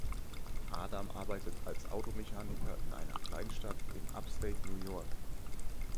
Adam arbeitet als Automechaniker in einer Kleinstadt in Upstate New York.